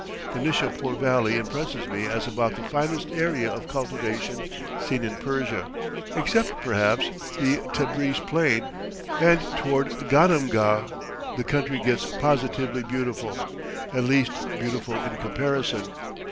The Nishapoor Valley impresses me as about the finest area of cultivation seen in Persia, except, perhaps, the Tabreez Plain; and toward Gadamgah the country gets positively beautiful at least, beautiful in comparison.